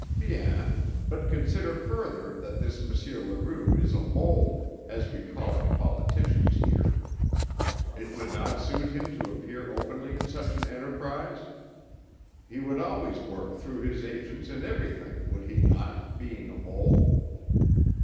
Bien, but consider further that this M. Leroux is a mole, as we call our politicians here. It would not suit him to appear openly in such an enterprise? He would always work through his agents in everything would he not being a mole?